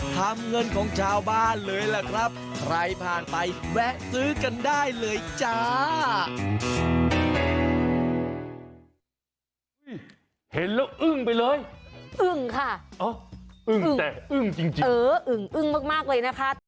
เงินของชาวบ้านเลยล่ะครับใครผ่านไปแวะซื้อกันได้เลยจ้า